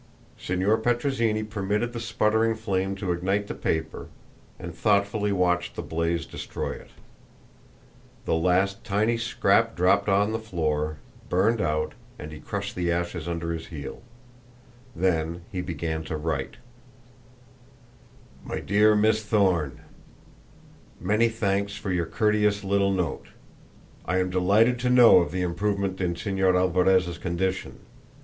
Signor Petrozinni permitted the sputtering flame to ignite the paper, and thoughtfully watched the blaze destroy it. The last tiny scrap dropped on the floor, burned out, and he crushed the ashes under his heel. Then he began to write: "My Dear Miss Thorne: "Many thanks for your courteous little note. I am delighted to know of the improvement in Señor Alvarez's condition.